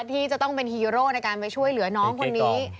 ที่จะต้องเป็นฮีโร่ในการไปช่วยเหลือน้องคนนี้